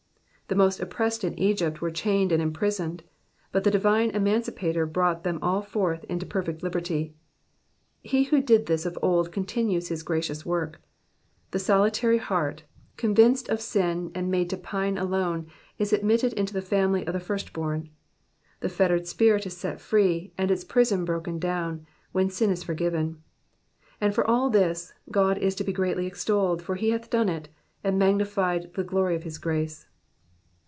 '' The most oppressed in Egypt were chained and imprisoned, but the divine Emancipator brought them all forth into perfect liberty. He who did this of old continues his gia cious work. The solitary heart, convinced of sin and made to pine alone, is admitted into the family of the First born ; the fettered spirit is set free, and its prison broken down, when sin is forgiven ; and for all this, God is to be greatly extolled, for he hath done it, and magnified the glory of his grace.